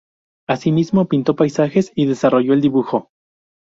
Asimismo pintó paisajes y desarrolló el dibujo.